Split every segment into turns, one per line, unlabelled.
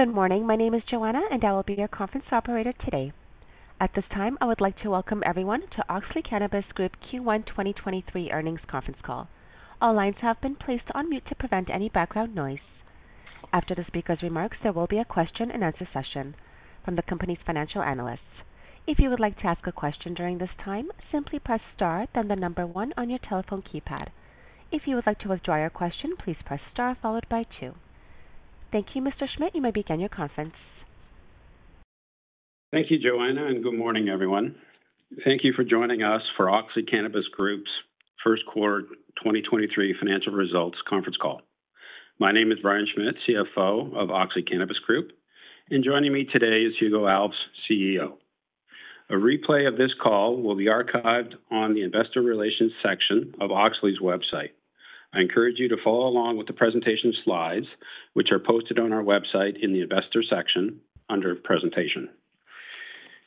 Good morning. My name is Joanna, and I will be your conference operator today. At this time, I would like to welcome everyone to Auxly Cannabis Group Q1 2023 earnings conference call. All lines have been placed on mute to prevent any background noise. After the speaker's remarks, there will be a question-and-answer session from the company's financial analysts. If you would like to ask a question during this time, simply press star, then one on your telephone keypad. If you would like to withdraw your question, please press star followed by two. Thank you. Mr. Schmitt, you may begin your conference.
Thank you, Joanna. Good morning, everyone. Thank you for joining us for Auxly Cannabis Group's 1s 2023 financial results conference call. My name is Brian Schmitt, CFO of Auxly Cannabis Group, and joining me today is Hugo Alves, CEO. A replay of this call will be archived on the investor relations section of Auxly's website. I encourage you to follow along with the presentation slides, which are posted on our website in the investor section under presentation.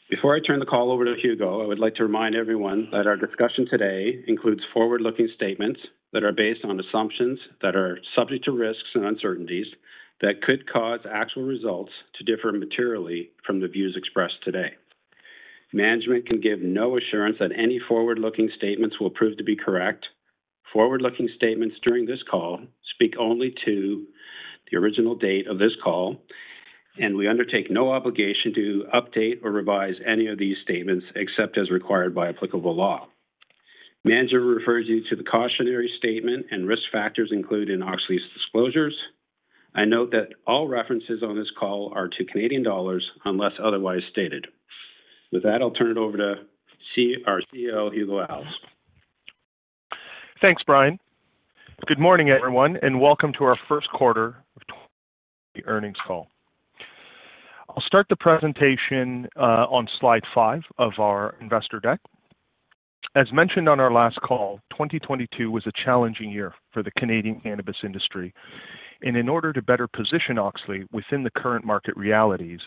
Before I turn the call over to Hugo, I would like to remind everyone that our discussion today includes forward-looking statements that are based on assumptions that are subject to risks and uncertainties that could cause actual results to differ materially from the views expressed today. Management can give no assurance that any forward-looking statements will prove to be correct. Forward-looking statements during this call speak only to the original date of this call, and we undertake no obligation to update or revise any of these statements except as required by applicable law. Management refers you to the cautionary statement and risk factors included in Auxly's disclosures. I note that all references on this call are to Canadian dollars unless otherwise stated. With that, I'll turn it over to our CEO, Hugo Alves.
Thanks, Brian. Good morning, everyone, and welcome to our Q1 of 2023 earnings call. I'll start the presentation on slide 5 of our investor deck. As mentioned on our last call, 2022 was a challenging year for the Canadian cannabis industry. In order to better position Auxly within the current market realities,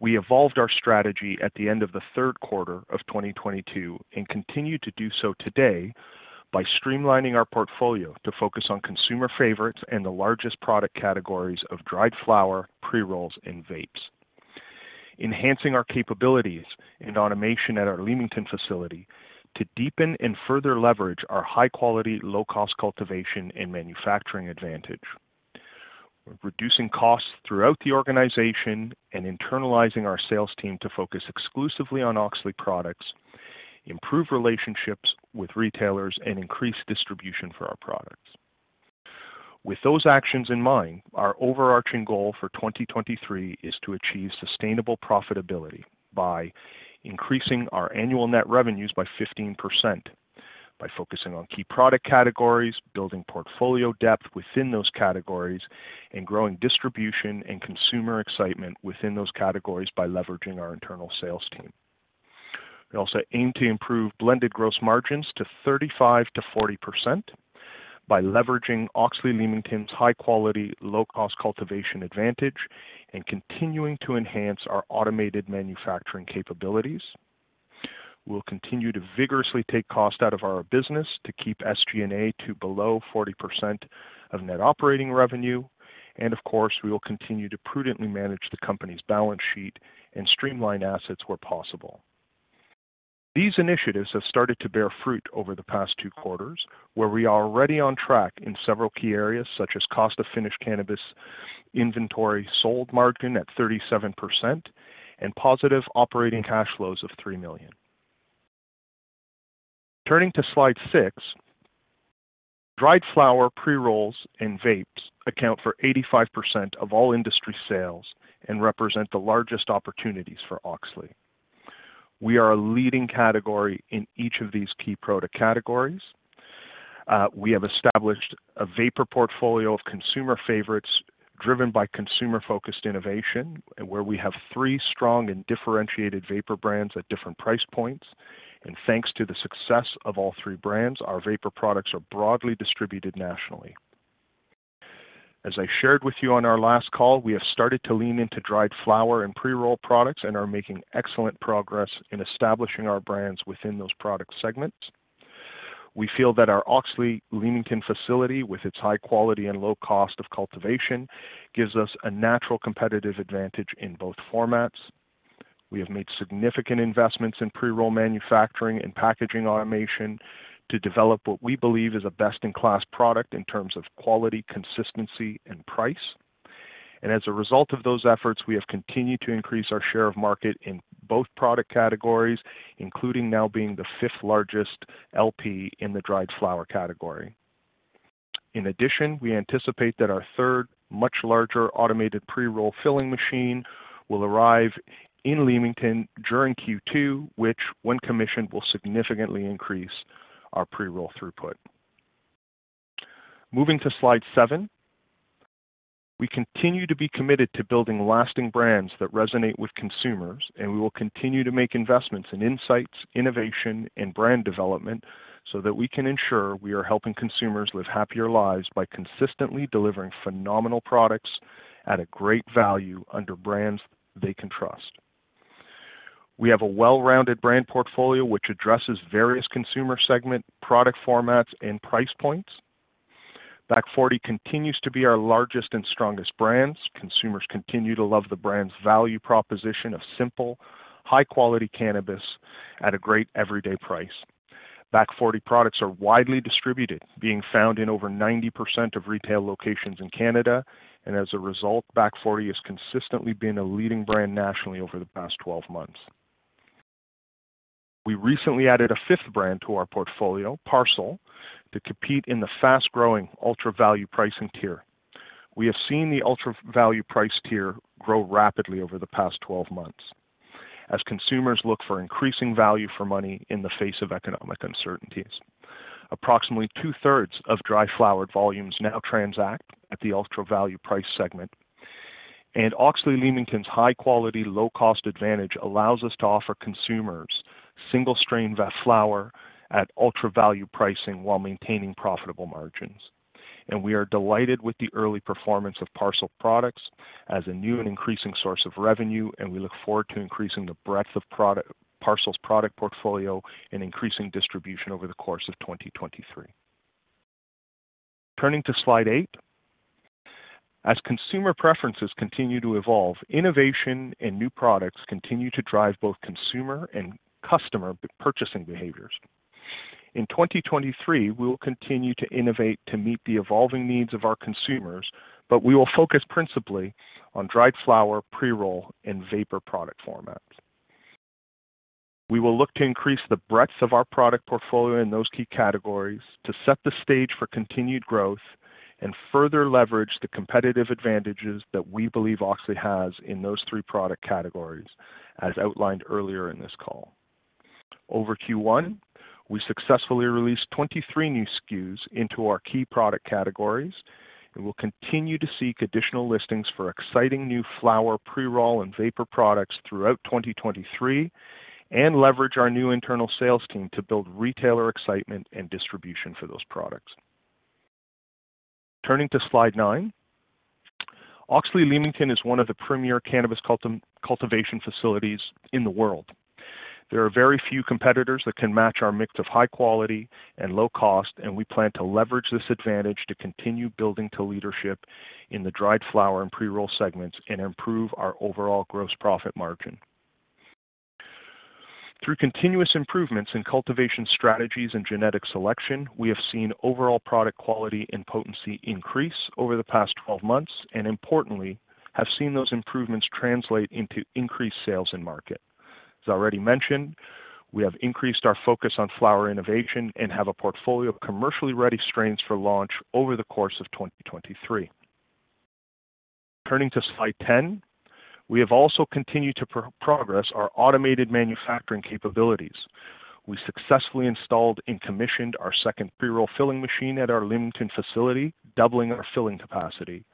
we evolved our strategy at the end of the Q3 of 2022 and continue to do so today by streamlining our portfolio to focus on consumer favorites and the largest product categories of dried flower, pre-rolls, and vapes. Enhancing our capabilities and automation at our Leamington facility to deepen and further leverage our high-quality, low-cost cultivation and manufacturing advantage. Reducing costs throughout the organization and internalizing our sales team to focus exclusively on Auxly products, improve relationships with retailers, and increase distribution for our products. With those actions in mind, our overarching goal for 2023 is to achieve sustainable profitability by increasing our annual net revenues by 15%, by focusing on key product categories, building portfolio depth within those categories, and growing distribution and consumer excitement within those categories by leveraging our internal sales team. We also aim to improve blended gross margins to 35%-40% by leveraging Auxly Leamington's high quality, low-cost cultivation advantage and continuing to enhance our automated manufacturing capabilities. We'll continue to vigorously take cost out of our business to keep SG&A to below 40% of net operating revenue. Of course, we will continue to prudently manage the company's balance sheet and streamline assets where possible. These initiatives have started to bear fruit over the past Q2, where we are already on track in several key areas such as cost of finished cannabis inventory sold margin at 37% and positive operating cash flows of 3 million. Turning to slide 6, dried flower, pre-rolls, and vapes account for 85% of all industry sales and represent the largest opportunities for Auxly. We are a leading category in each of these key product categories. We have established a vapor portfolio of consumer favorites driven by consumer-focused innovation, where we have 3 strong and differentiated vapor brands at different price points. Thanks to the success of all 3 brands, our vapor products are broadly distributed nationally. As I shared with you on our last call, we have started to lean into dried flower and pre-roll products and are making excellent progress in establishing our brands within those product segments. We feel that our Auxly Leamington facility, with its high quality and low cost of cultivation, gives us a natural competitive advantage in both formats. We have made significant investments in pre-roll manufacturing and packaging automation to develop what we believe is a best-in-class product in terms of quality, consistency, and price. As a result of those efforts, we have continued to increase our share of market in both product categories, including now being the 5th largest LP in the dried flower category. In addition, we anticipate that our 3rd much larger automated pre-roll filling machine will arrive in Leamington during Q2, which when commissioned, will significantly increase our pre-roll throughput. Moving to slide 7. We continue to be committed to building lasting brands that resonate with consumers, we will continue to make investments in insights, innovation, and brand development so that we can ensure we are helping consumers live happier lives by consistently delivering phenomenal products at a great value under brands they can trust. We have a well-rounded brand portfolio which addresses various consumer segment, product formats and price points. Back Forty continues to be our largest and strongest brands. Consumers continue to love the brand's value proposition of simple, high quality cannabis at a great everyday price. Back Forty products are widely distributed, being found in over 90% of retail locations in Canada. As a result, Back Forty has consistently been a leading brand nationally over the past 12 months. We recently added a fifth brand to our portfolio, Parcel, to compete in the fast-growing ultra value pricing tier. We have seen the ultra value price tier grow rapidly over the past 12 months as consumers look for increasing value for money in the face of economic uncertainties. Approximately 2/3 of dry flower volumes now transact at the ultra value price segment, Auxly Leamington's high quality, low cost advantage allows us to offer consumers single strain flower at ultra value pricing while maintaining profitable margins. We are delighted with the early performance of Parcel products as a new and increasing source of revenue, we look forward to increasing the breadth of product, Parcel's product portfolio and increasing distribution over the course of 2023. Turning to slide 8. As consumer preferences continue to evolve, innovation and new products continue to drive both consumer and customer purchasing behaviors. In 2023, we will continue to innovate to meet the evolving needs of our consumers, but we will focus principally on dried flower, pre-roll and vapor product formats. We will look to increase the breadth of our product portfolio in those key categories to set the stage for continued growth and further leverage the competitive advantages that we believe Auxly has in those three product categories, as outlined earlier in this call. Over Q1, we successfully released 23 new SKUs into our key product categories and will continue to seek additional listings for exciting new flower pre-roll and vapor products throughout 2023, and leverage our new internal sales team to build retailer excitement and distribution for those products. Turning to slide 9. Auxly Leamington is one of the premier cannabis cultivation facilities in the world. There are very few competitors that can match our mix of high quality and low cost. We plan to leverage this advantage to continue building to leadership in the dried flower and pre-roll segments and improve our overall gross profit margin. Through continuous improvements in cultivation strategies and genetic selection, we have seen overall product quality and potency increase over the past 12 months. Importantly, have seen those improvements translate into increased sales in market. As already mentioned, we have increased our focus on flower innovation and have a portfolio of commercially ready strains for launch over the course of 2023. Turning to slide 10. We have also continued to progress our automated manufacturing capabilities. We successfully installed and commissioned our second pre-roll filling machine at our Leamington facility, doubling our filling capacity.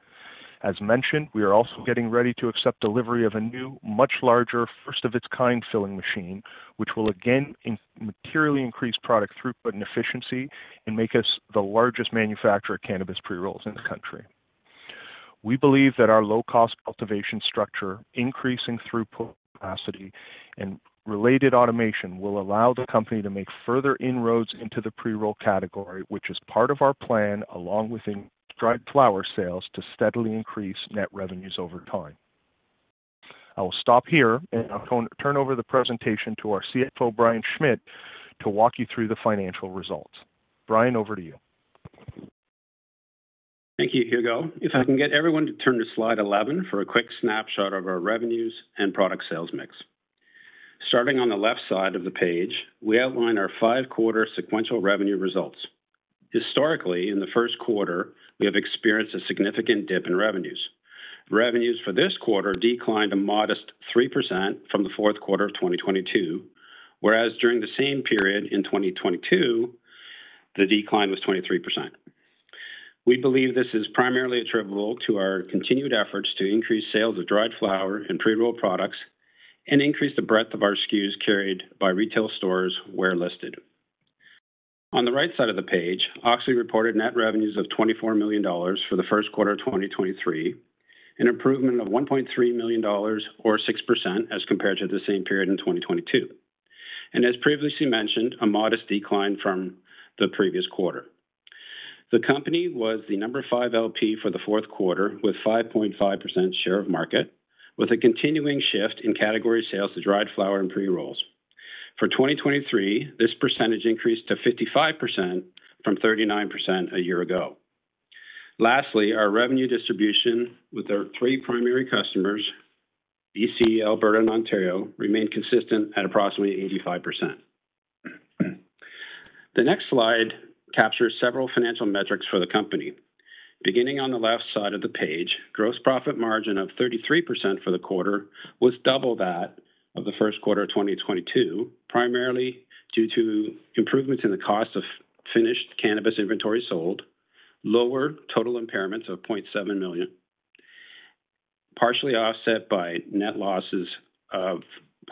As mentioned, we are also getting ready to accept delivery of a new, much larger, first of its kind filling machine, which will again materially increase product throughput and efficiency and make us the largest manufacturer of cannabis pre-rolls in the country. We believe that our low cost cultivation structure, increasing throughput capacity and related automation will allow the company to make further inroads into the pre-roll category, which is part of our plan, along with dried flower sales, to steadily increase net revenues over time. I will stop here and I'll turn over the presentation to our CFO, Brian Schmitt, to walk you through the financial results. Brian, over to you.
Thank you, Hugo. If I can get everyone to turn to slide 11 for a quick snapshot of our revenues and product sales mix. Starting on the left side of the page, we outline our Q5 sequential revenue results. Historically, in the Q1, we have experienced a significant dip in revenues. Revenues for this quarter declined a modest 3% from the Q4 of 2022, whereas during the same period in 2022, the decline was 23%. We believe this is primarily attributable to our continued efforts to increase sales of dried flower and pre-roll products, and increase the breadth of our SKUs carried by retail stores where listed. On the right side of the page, Auxly reported net revenues of 24 million dollars for the Q1 of 2023, an improvement of 1.3 million dollars or 6% as compared to the same period in 2022. As previously mentioned, a modest decline from the previous quarter. The company was the number five LP for the Q4, with 5.5% share of market, with a continuing shift in category sales to dried flower and pre-rolls. For 2023, this percentage increased to 55% from 39% a year ago. Lastly, our revenue distribution with our three primary customers, BC, Alberta and Ontario, remained consistent at approximately 85%. The next slide captures several financial metrics for the company. Beginning on the left side of the page, gross profit margin of 33% for the quarter was double that of the Q1 of 2022, primarily due to improvements in the cost of finished cannabis inventory sold, lower total impairments of 0.7 million, partially offset by net losses of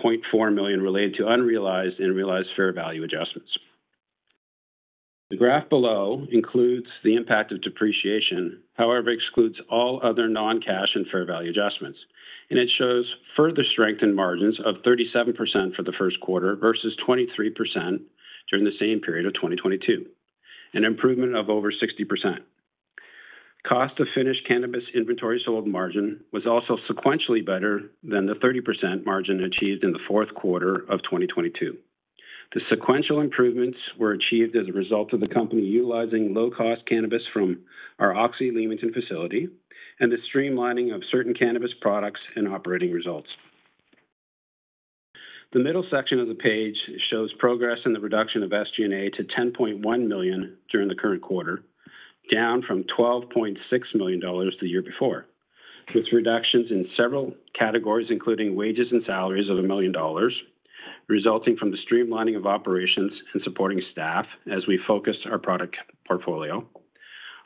0.4 million related to unrealized and realized fair value adjustments. The graph below includes the impact of depreciation, however excludes all other non-cash and fair value adjustments, and it shows further strengthened margins of 37% for the Q1 versus 23% during the same period of 2022, an improvement of over 60%. Cost of finished cannabis inventory sold margin was also sequentially better than the 30% margin achieved in the Q4 of 2022. The sequential improvements were achieved as a result of the company utilizing low-cost cannabis from our Auxly Leamington facility and the streamlining of certain cannabis products and operating results. The middle section of the page shows progress in the reduction of SG&A to 10.1 million during the current quarter, down from 12.6 million dollars the year before, with reductions in several categories, including wages and salaries of 1 million dollars, resulting from the streamlining of operations and supporting staff as we focused our product portfolio.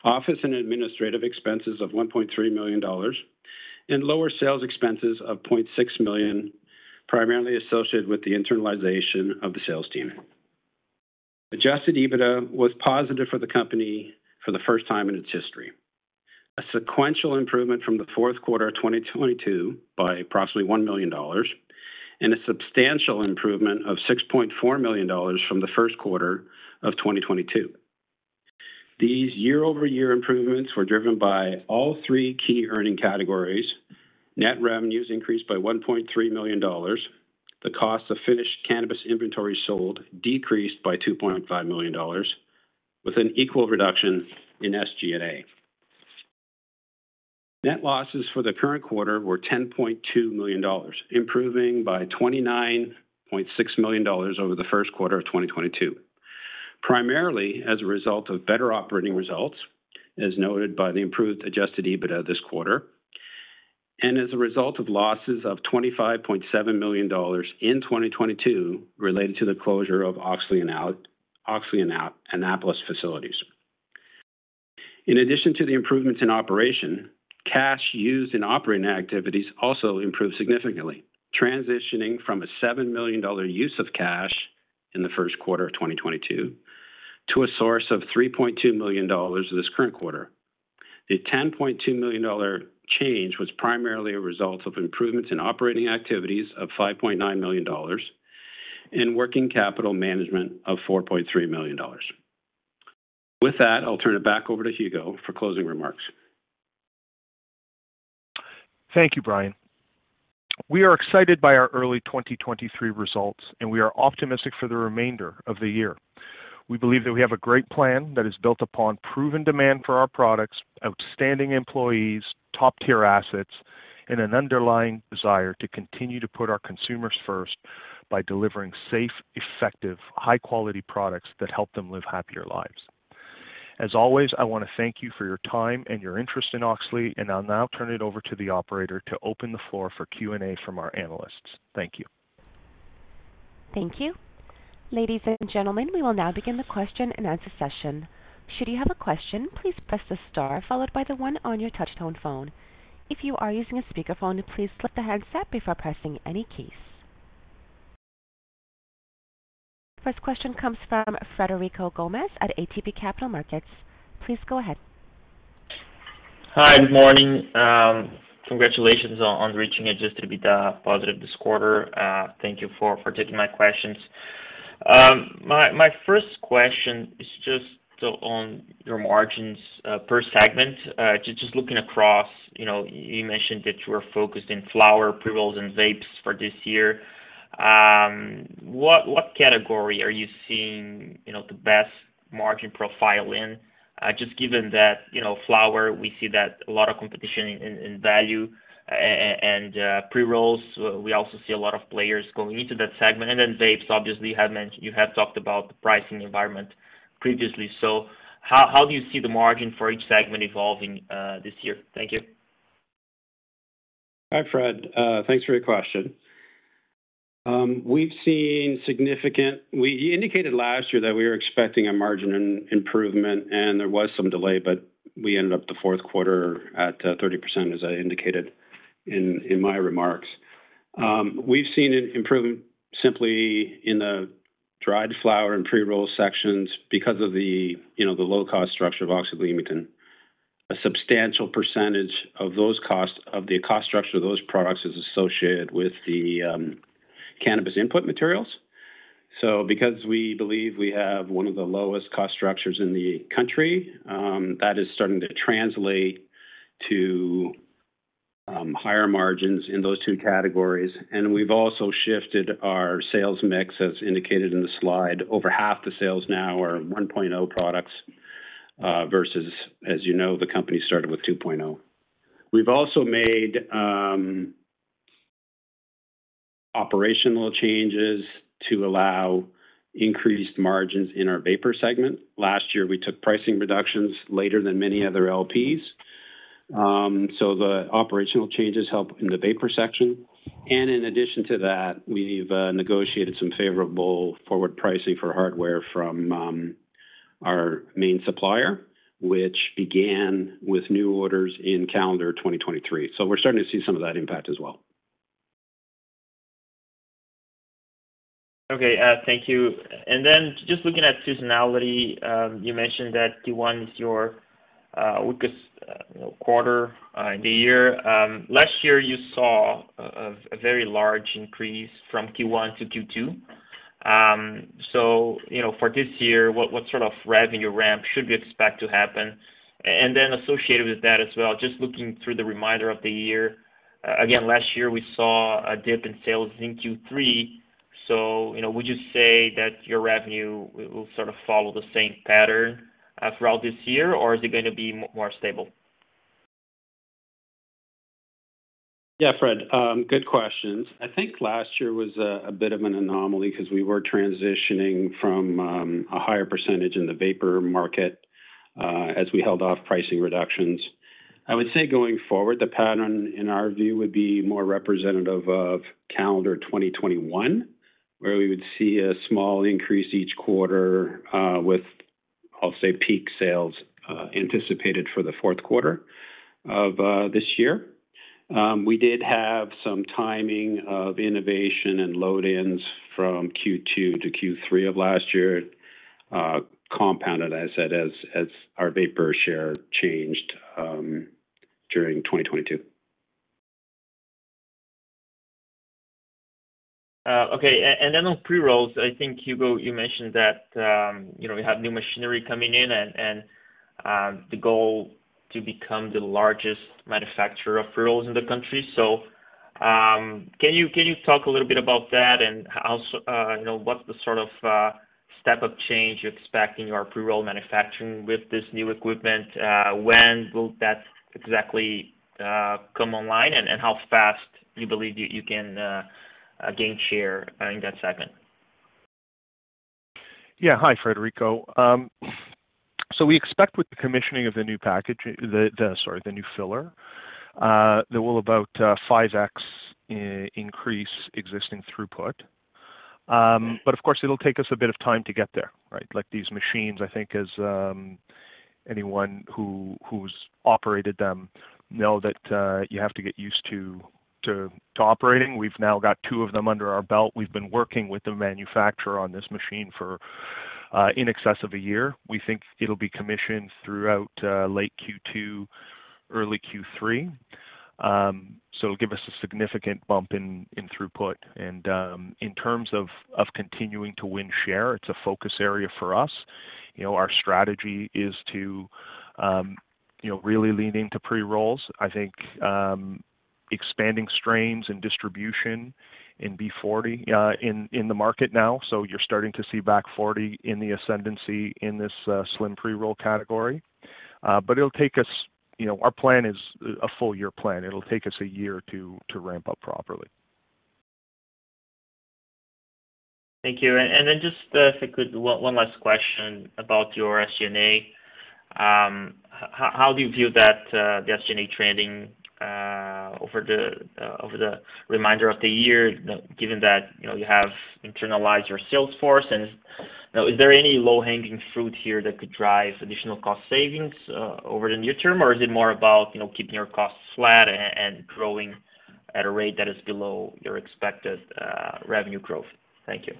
Office and administrative expenses of 1.3 million dollars and lower sales expenses of 0.6 million, primarily associated with the internalization of the sales team. Adjusted EBITDA was positive for the company for the first time in its history. A sequential improvement from the Q4 of 2022 by approximately 1 million dollars and a substantial improvement of 6.4 million dollars from the Q1 of 2022. These year-over-year improvements were driven by all three key earning categories. Net revenues increased by 1.3 million dollars. The cost of finished cannabis inventory sold decreased by 2.5 million dollars with an equal reduction in SG&A. Net losses for the current quarter were 10.2 million dollars, improving by 29.6 million dollars over the Q1 of 2022, primarily as a result of better operating results, as noted by the improved Adjusted EBITDA this quarter, and as a result of losses of 25.7 million dollars in 2022 related to the closure of Auxly Annapolis facilities. In addition to the improvements in operation, cash used in operating activities also improved significantly, transitioning from a 7 million dollar use of cash in the Q1 of 2022 to a source of 3.2 million dollars this current quarter. The 10.2 million dollar change was primarily a result of improvements in operating activities of 5.9 million dollars and working capital management of 4.3 million dollars. With that, I'll turn it back over to Hugo for closing remarks.
Thank you, Brian. We are excited by our early 2023 results, and we are optimistic for the remainder of the year. We believe that we have a great plan that is built upon proven demand for our products, outstanding employees, top-tier assets, and an underlying desire to continue to put our consumers first by delivering safe, effective, high-quality products that help them live happier lives. As always, I wanna thank you for your time and your interest in Auxly. I'll now turn it over to the operator to open the floor for Q&A from our analysts. Thank you.
Thank you. Ladies and gentlemen, we will now begin the question-and-answer session. Should you have a question, please press the star followed by the one on your touch-tone phone. If you are using a speakerphone, please lift the handset before pressing any keys. First question comes from Frederico Gomes at ATB Capital Markets. Please go ahead.
Hi. Good morning. Congratulations on reaching Adjusted EBITDA positive this quarter. Thank you for taking my questions. My first question is just on your margins per segment. Just looking across, you know, you mentioned that you were focused in flower, pre-rolls, and vapes for this year. What category are you seeing, you know, the best margin profile in? Just given that, you know, flower, we see that a lot of competition in value, and pre-rolls, we also see a lot of players going into that segment. Vapes, obviously, you have mentioned, you have talked about the pricing environment previously. How do you see the margin for each segment evolving this year? Thank you.
Hi, Fred. Thanks for your question. We indicated last year that we were expecting a margin improvement and there was some delay, but we ended up the Q4 at 30%, as I indicated in my remarks. We've seen an improvement simply in the dried flower and pre-roll sections because of the, you know, the low-cost structure of Auxly Leamington. A substantial percentage of those costs, of the cost structure of those products is associated with the cannabis input materials. Because we believe we have one of the lowest cost structures in the country, that is starting to translate to higher margins in those two categories. We've also shifted our sales mix, as indicated in the slide. Over half the sales now are 1.0 Products, versus, as you know, the company started with 2.0. We've also made operational changes to allow increased margins in our vapor segment. Last year, we took pricing reductions later than many other LPs. The operational changes help in the vapor section. In addition to that, we've negotiated some favorable forward pricing for hardware from our main supplier, which began with new orders in calendar 2023. We're starting to see some of that impact as well.
Okay, thank you. Just looking at seasonality, you mentioned that Q1 is your weakest, you know, quarter in the year. Last year you saw a very large increase from Q1 to Q2. For this year, what sort of revenue ramp should we expect to happen? Associated with that as well, just looking through the reminder of the year, again, last year we saw a dip in sales in Q3. Would you say that your revenue will sort of follow the same pattern throughout this year, or is it gonna be more stable?
Fred, good questions. I think last year was a bit of an anomaly because we were transitioning from a higher percentage in the vapor market, as we held off pricing reductions. I would say going forward, the pattern in our view would be more representative of calendar 2021, where we would see a small increase each quarter, with, I'll say, peak sales anticipated for the Q4 of this year. We did have some timing of innovation and load-ins from Q2 to Q3 of last year, compounded, as I said, as our vapor share changed during 2022.
Okay. And then on pre-rolls, I think, Hugo, you mentioned that, you know, you have new machinery coming in and, the goal to become the largest manufacturer of pre-rolls in the country. Can you talk a little bit about that? Also, you know, what's the sort of step-up change you expect in your pre-roll manufacturing with this new equipment? When will that exactly come online? How fast you believe you can gain share in that segment?
Yeah. Hi, Frederico. We expect with the commissioning of the new package, the new filler, that will about 5x increase existing throughput. Of course it'll take us a bit of time to get there, right? Like these machines, I think as anyone who's operated them know that you have to get used to operating. We've now got two of them under our belt. We've been working with the manufacturer on this machine for in excess of a year. We think it'll be commissioned throughout late Q2, early Q3. It'll give us a significant bump in throughput. In terms of continuing to win share, it's a focus area for us. You know, our strategy is to, you know, really lean into pre-rolls. I think, expanding strains and distribution in B40, in the market now. You're starting to see Back Forty in the ascendancy in this slim pre-roll category. It'll take us, you know, our plan is a full-year plan. It'll take us a year to ramp up properly.
Thank you. Then just, if I could, one last question about your SG&A. How do you view that the SG&A trending over the remainder of the year, given that, you know, you have internalized your sales force? You know, is there any low-hanging fruit here that could drive additional cost savings over the near term? Is it more about, you know, keeping your costs flat and growing at a rate that is below your expected revenue growth? Thank you.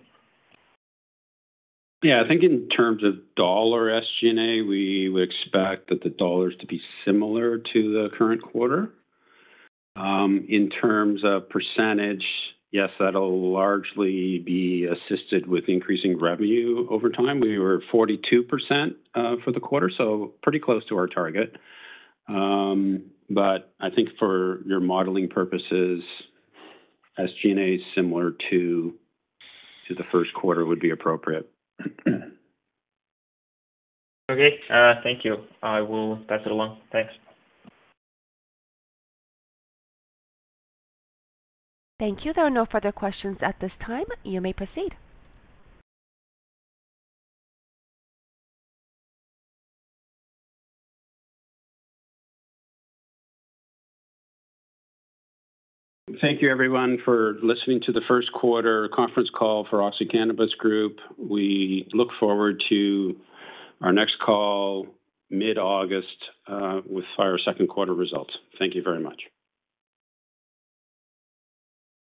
I think in terms of dollar SG&A, we would expect that the dollar is to be similar to the current quarter. In terms of percentage, yes, that'll largely be assisted with increasing revenue over time. We were 42% for the quarter, so pretty close to our target. I think for your modeling purposes, SG&A similar to the Q4 would be appropriate.
Okay, thank you. I will pass it along. Thanks.
Thank you. There are no further questions at this time. You may proceed.
Thank you everyone for listening to the Q1 conference call for Auxly Cannabis Group. We look forward to our next call mid-August with our Q2 results. Thank you very much.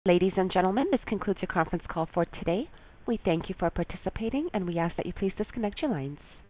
Ladies and gentlemen, this concludes your conference call for today. We thank you for participating, and we ask that you please disconnect your lines.